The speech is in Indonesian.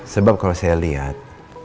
sebab kalau saya lihat